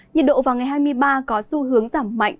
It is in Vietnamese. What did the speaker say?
nhiệt độ vào ngày hai mươi ba có xu hướng giảm mạnh